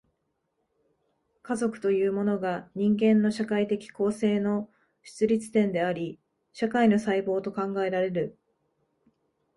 家族というものが、人間の社会的構成の出立点であり、社会の細胞と考えられる。